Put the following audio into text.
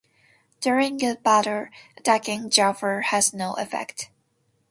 During the battle, attacking Jafar has no effect.